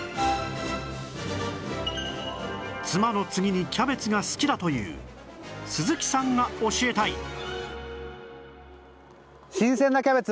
妻の次にキャベツが好きだという鈴木さんが教えたい